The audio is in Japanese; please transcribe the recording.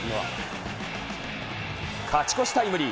勝ち越しタイムリー。